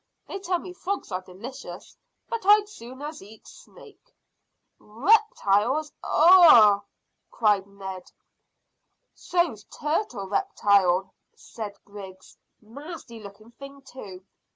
They tell me frogs are delicious, but I'd as soon eat snake." "Reptiles! Ugh!" cried Ned. "So's turtle reptile," said Griggs. "Nasty looking thing too.